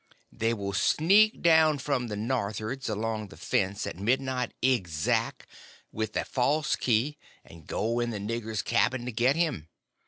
They will sneak down from northards, along the fence, at midnight exact, with a false key, and go in the nigger's cabin to get him.